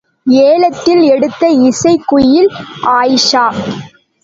ஏலத்தில் எடுத்த இசைக் குயில் ஆயிஷா!